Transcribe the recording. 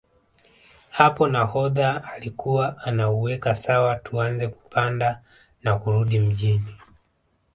Hapo nahodha alikuwa anauweka sawa tuanze kupanda na kurudi Mjini